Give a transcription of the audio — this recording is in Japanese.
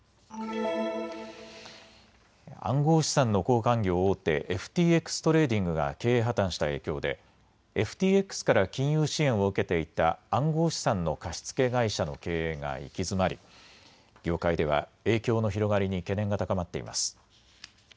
暗号資産の交換業大手、ＦＴＸトレーディングが経営破綻した影響でＦＴＸから金融支援を受けていた暗号資産の貸し付け会社の経営が行き詰まり、業界では影響の広がりに懸念が高まっています。